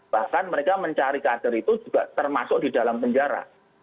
bahkan mereka mencari kader itu juga termasuk di dalam penjara